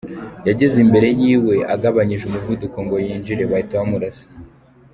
Yageze imbere y’iwe agabanyije umuvuduko ngo yinjire bahita bamurasa.